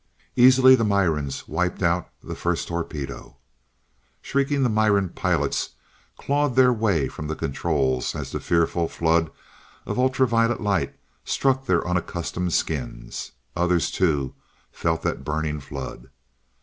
Easily the Mirans wiped out the first torpedo Shrieking, the Miran pilots clawed their way from the controls as the fearful flood of ultra violet light struck their unaccustomed skins. Others too felt that burning flood.